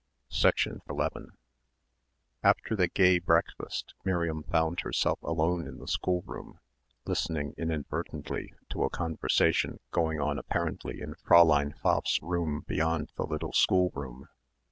11 After the gay breakfast Miriam found herself alone in the schoolroom listening inadvertently to a conversation going on apparently in Fräulein Pfaff's room beyond the little schoolroom.